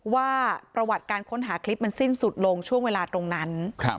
ว่าประวัติการค้นหาคลิปมันสิ้นสุดลงช่วงเวลาตรงนั้น